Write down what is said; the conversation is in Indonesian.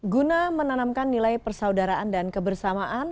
guna menanamkan nilai persaudaraan dan kebersamaan